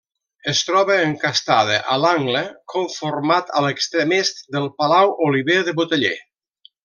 Es troba encastada a l'angle conformat a l'extrem est del palau Oliver de Boteller.